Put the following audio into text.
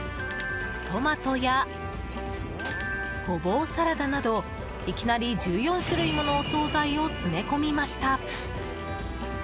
トマトやゴボウサラダなどいきなり１４種類ものお総菜を詰め込みました。